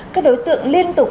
các đối tượng liên tục tham gia